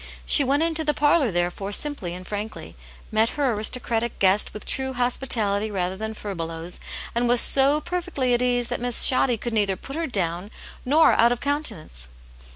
She went into the parlour, therefore, simply and frankly, met her aristocratic guest with true hospitality rather than furbelows, and was so perfectly at ease that Miss Shoddy could neither put her down nor out of countenance.